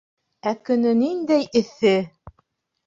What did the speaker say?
Ә көнө ниндәй эҫе!